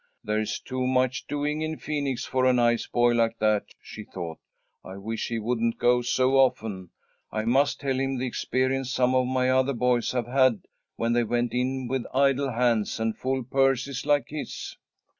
"There's too much doing in Phoenix for a nice boy like that," she thought. "I wish he wouldn't go so often. I must tell him the experience some of my other boys have had when they went in with idle hands and full purses like his."